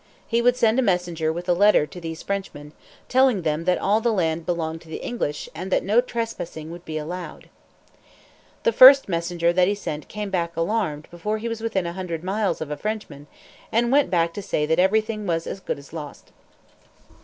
He would send a messenger with a letter to these Frenchmen, telling them that all the land belonged to the English, and that no trespassing would be allowed. The first messenger that he sent became alarmed before he was within a hundred miles of a Frenchman, and went back to say that everything was as good as lost.